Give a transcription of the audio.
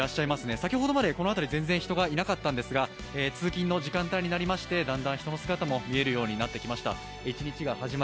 先ほどまでこの辺り人が全然いなかったんですが、通勤の時間帯になりましてだんだん人の姿も見えるようになってきました。